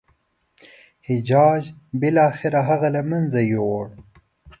حجاج بالاخره هغه له منځه یووړ.